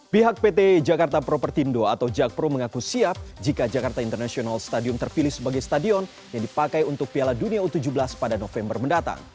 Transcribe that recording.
pihak pt jakarta propertindo atau jakpro mengaku siap jika jakarta international stadium terpilih sebagai stadion yang dipakai untuk piala dunia u tujuh belas pada november mendatang